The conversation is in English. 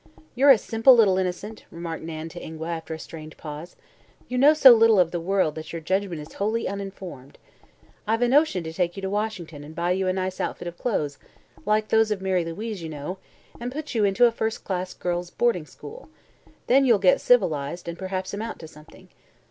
"You're a simple little innocent," remarked Nan to Ingua, after a strained pause. "You know so little of the world that your judgment is wholly unformed. I've a notion to take you to Washington and buy you a nice outfit of clothes like those of Mary Louise, you know and put you into a first class girls' boarding school. Then you'll get civilized, and perhaps amount to something."